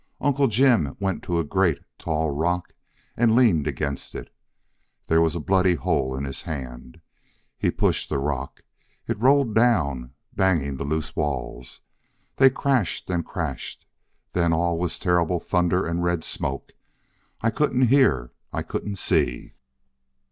Uncle Jim went to a great, tall rock and leaned against it. There was a bloody hole in his hand. He pushed the rock. It rolled down, banging the loose walls. They crashed and crashed then all was terrible thunder and red smoke. I couldn't hear I couldn't see.